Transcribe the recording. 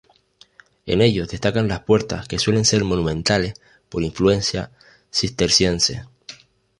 En ellos destacan las puertas, que suelen ser monumentales por influencia cisterciense.